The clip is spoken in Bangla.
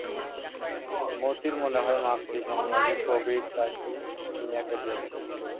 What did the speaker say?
মতির মনে হয় মাকড়ি কেনার আগে প্রবীর তাকেই কিনিয়া ফেলিয়াছে!